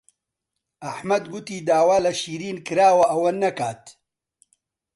ئەحمەد گوتی داوا لە شیرین کراوە ئەوە نەکات.